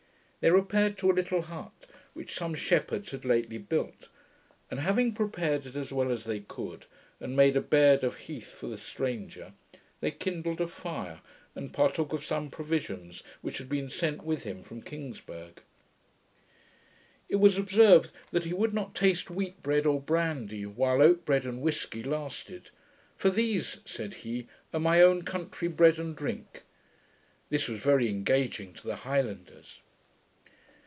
They repaired to a little hut, which some shepherds had lately built, and having prepared it as well as they could, and made a bed of heath for the stranger, they kindled a fire, and partook of some provisions which had been sent with him from Kingsburgh. It was observed, that he would not taste wheat bread, or brandy, while oat bread and whisky lasted; 'for these,' said he, 'are my own country's bread and drink'. This was very engaging to the Highlanders.